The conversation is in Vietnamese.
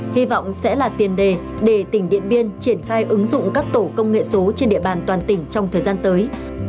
hy vọng sẽ là tiền đề để tỉnh điện biên triển khai ứng dụng các tổ công nghệ số trên địa bàn toàn tỉnh trong thời gian tới